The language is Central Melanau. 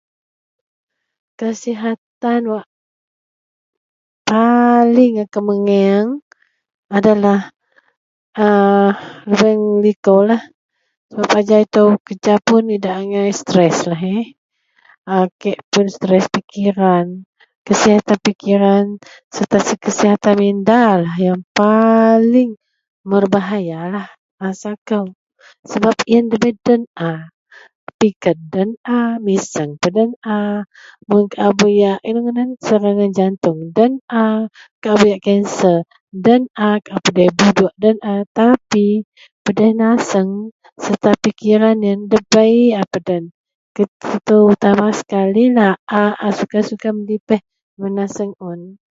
kasihatan wak paling akou megieng adalah a lubeng likolah sebab ajau itou kerja pun idak agai stresslah eh, a kek pun stress pikiran, kasihatan pikiran serta kasihatan mindalah paling membahayalah rasa kou, sebab ien debei den a, piked den a, miseng pun den a, mun au buyak inou ngadan serangan jantung den a, au buyak kanser den a au pedih buduk den a tapi pedih nasang serta pikiran ien debei a peden terut terutama sekalilah a suka-suka medepih lubeng nasang un